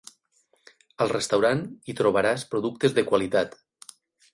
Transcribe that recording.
Al restaurant hi trobaràs productes de qualitat.